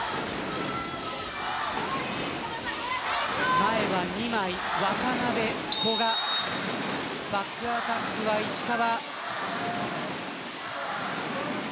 前は２枚、渡邊、古賀バックアタックは石川。